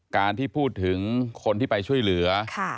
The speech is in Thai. การที่พูดถึงคนที่ไปช่วยเหลือ